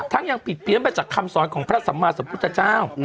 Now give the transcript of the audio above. ยังผิดเพี้ยนไปจากคำสอนของพระสัมมาสมพุทธเจ้า